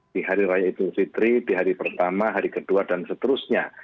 di hari raya idul fitri di hari pertama hari kedua dan seterusnya